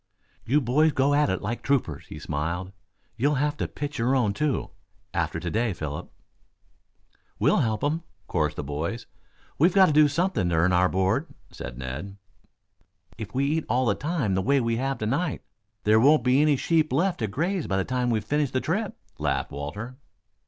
"You boys go at it like troopers," he smiled. "You'll have to pitch your own, too, after to day, Philip." "We'll help him," chorused the boys. "We've got to do something to earn our board," said Ned. "If we eat all the time the way we have tonight, there won't be many sheep left to graze by the time we've finished the trip," laughed Walter.